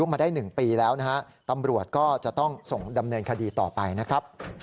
สักพักตำรวจบอกออกมา